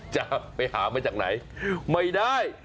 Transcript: จะไปหามาจากไหนไม่ได้